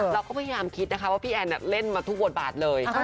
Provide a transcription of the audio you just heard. เราก็พยายามคิดนะคะว่าพี่แอนเล่นมาทุกบทบาทเลย